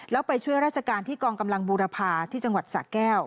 แล้วไปช่วยราชการที่กองกำลังบูรพาที่จังหวัดสะแก้ว